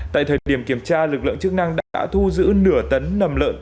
tại thời điểm kiểm tra lực lượng chức năng đã thu giữ nửa tấn nầm lợn